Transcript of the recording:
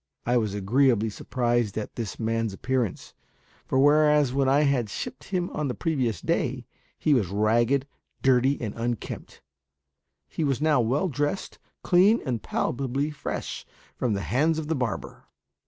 I was agreeably surprised at this man's appearance; for whereas when I had shipped him on the previous day, he was ragged, dirty, and unkempt, he was now well dressed, clean, and palpably fresh from the hands of the barber.